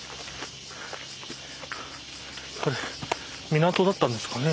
港だったんですかね。